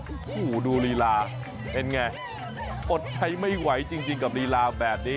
โอ้โหดูลีลาเป็นไงอดใจไม่ไหวจริงกับลีลาแบบนี้